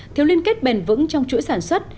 thiếu liên kết bền vững trong chuỗi sản xuất